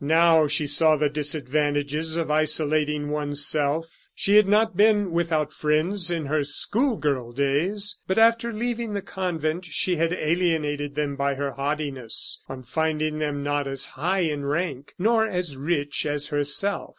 Now she saw the disadvantage of isolating one's self. She had not been without friends in her school girl days; but after leaving the convent she had alienated them by her haughtiness, on finding them not as high in rank, nor as rich as herself.